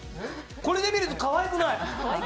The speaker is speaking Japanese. これで見るとかわいくない。